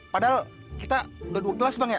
padahal kita udah dua kelas bang